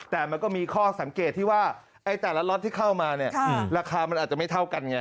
แต่มันก็มีข้อสังเกตที่ว่าแต่ละล็อตที่เข้ามาเนี่ยราคามันอาจจะไม่เท่ากันไง